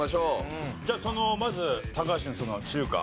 じゃあそのまず高橋の中華。